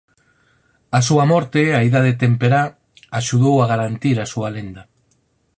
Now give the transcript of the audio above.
A súa morte a idade temperá axudou a garantir a súa lenda.